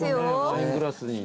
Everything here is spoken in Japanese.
ワイングラスに。